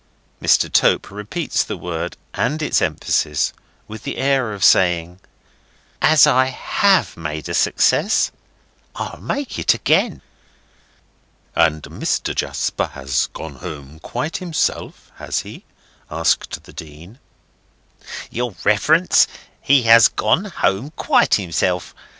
Mr. Tope repeats the word and its emphasis, with the air of saying: "As I have made a success, I'll make it again." "And Mr. Jasper has gone home quite himself, has he?" asked the Dean. "Your Reverence, he has gone home quite himself.